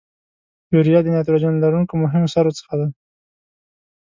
یوریا د نایتروجن لرونکو مهمو سرو څخه ده.